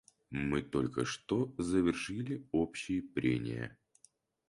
Мы только что завершили общие прения.